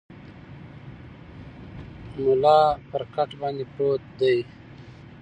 ملا پر کټ باندې پروت دی.